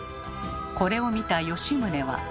これを見た吉宗は。